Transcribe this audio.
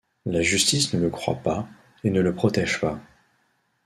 La justice ne le croit pas et ne le protège pas.